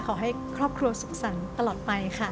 ขอให้ครอบครัวสุขสรรค์ตลอดไปค่ะ